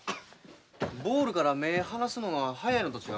ボールから目ぇ離すのが早いのと違うか。